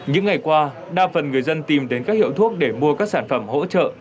những ngày qua đa phần người dân tìm đến các hiệu thuốc để mua các sản phẩm hỗ trợ